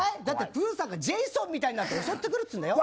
プーさんがジェイソンみたいになって襲ってくるんですよ。